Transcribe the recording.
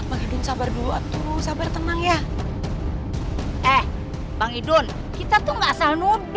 aduh sabar dulu sabar tenang ya eh bang idun kita tuh enggak asal nuduh emang bener ya tadi